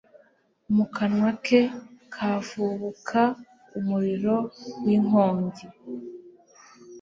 mu kanwa ke havubuka umuriro w'inkongi